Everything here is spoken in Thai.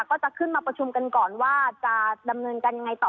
ก็จะขึ้นมาประชุมกันก่อนว่าจะดำเนินการยังไงต่อ